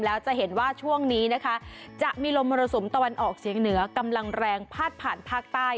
แล้วจะเห็นว่าช่วงนี้นะคะจะมีลมมรสุมตะวันออกเฉียงเหนือกำลังแรงพาดผ่านภาคใต้